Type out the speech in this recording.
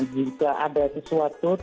jika ada sesuatu